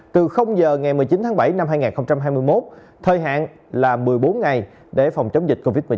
từ giờ ngày một mươi chín tháng bảy năm hai nghìn hai mươi một thời hạn là một mươi bốn ngày để phòng chống dịch covid một mươi chín